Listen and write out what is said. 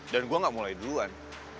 dan gua gak mulai duluan